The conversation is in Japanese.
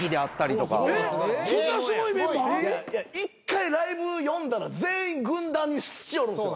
１回ライブ呼んだら全員軍団にしよるんです。